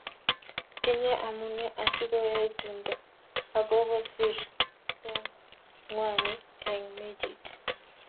tinye amune asikoyai tumdo akobo sirseng'wany eng' mechit